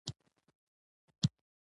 کامې ولسوالۍ د ننګرهار ولايت اړوند ده.